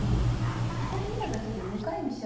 なんかこれ見ただけで向かい飛車